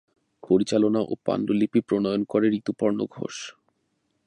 পরিচালনা ও পাণ্ডুলিপি প্রণয়ন করেন ঋতুপর্ণ ঘোষ।